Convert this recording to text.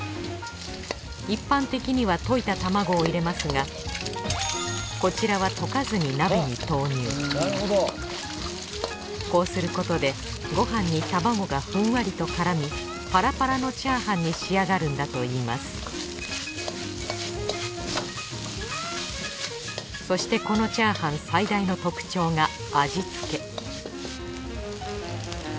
一般的には溶いた卵を入れますがこちらはこうすることでご飯に卵がふんわりと絡みパラパラのチャーハンに仕上がるんだといいますそしてこのチャーハン最大の特徴が味付け